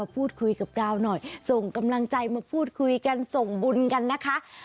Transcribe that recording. ผมกำลังใจมาพูดคุยกันส่งบุญกันนะคะ